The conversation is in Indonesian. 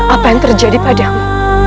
apa yang terjadi padamu